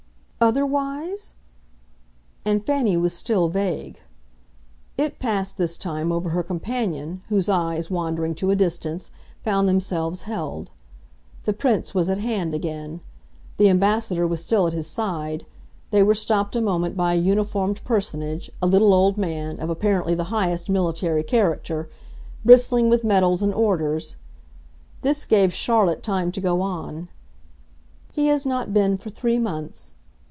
"'Otherwise'?" and Fanny was still vague. It passed, this time, over her companion, whose eyes, wandering, to a distance, found themselves held. The Prince was at hand again; the Ambassador was still at his side; they were stopped a moment by a uniformed personage, a little old man, of apparently the highest military character, bristling with medals and orders. This gave Charlotte time to go on. "He has not been for three months."